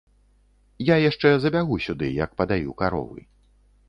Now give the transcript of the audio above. Я яшчэ забягу сюды, як падаю каровы.